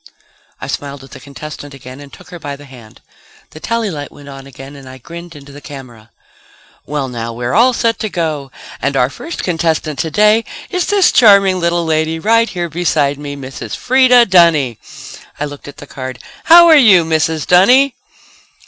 I smiled at the contestant again and took her by the hand. The tally light went on again and I grinned into the camera. "Well, now, we're all set to go ... and our first contestant today is this charming little lady right here beside me. Mrs. Freda Dunny." I looked at the card. "How are you, Mrs. Dunny?"